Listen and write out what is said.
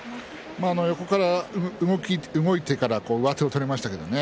横から動いてから上手を取りましたけどね。